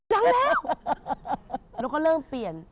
จนก็เริ่มเปลี่ยน